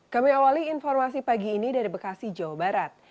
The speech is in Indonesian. kami awali informasi pagi ini dari bekasi jawa barat